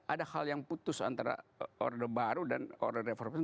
ada hal yang putus antara orde baru dan order reformasi